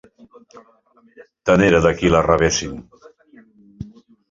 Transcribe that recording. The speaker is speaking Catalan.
Tant era de qui la rebessin